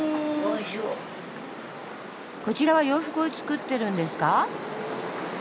こちらは洋服を作ってるんですか？